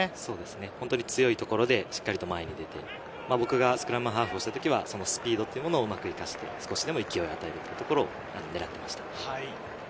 本当に強いとこれでしっかり前に出て、僕がスクラムハーフをした時はスピードというのをうまく生かして少しでも勢いを与えるというのを狙っていました。